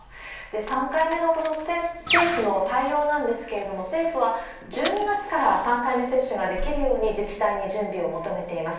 ３回目のこの政府の対応なんですけれども、政府は１２月から３回目接種ができるように自治体に準備を求めています。